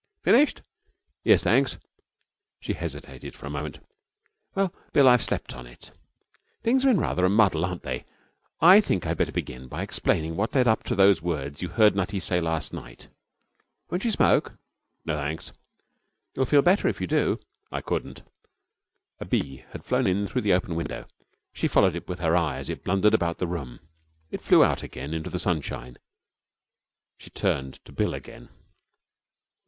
'Finished?' 'Yes, thanks.' She hesitated for a moment. 'Well, Bill, I've slept on it. Things are in rather a muddle, aren't they? I think I had better begin by explaining what led up to those words you heard Nutty say last night. Won't you smoke?' 'No, thanks.' 'You'll feel better if you do.' 'I couldn't.' A bee had flown in through the open window. She followed it with her eye as it blundered about the room. It flew out again into the sunshine. She turned to Bill again.